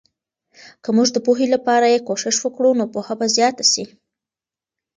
که موږ د پوهې لپاره یې کوښښ وکړو، نو پوهه به زیاته سي.